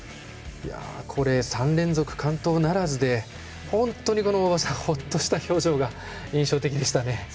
３連続完登ならずでほっとした表情が印象的でしたね。